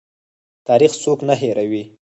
تاریخ څوک نه هیروي؟